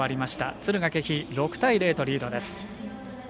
敦賀気比、６対０とリードです。